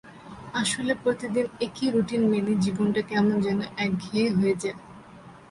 আসলে প্রতিদিন একই রুটিন মেনে জীবনটা কেমন যেন একঘেয়ে হয়ে যায়।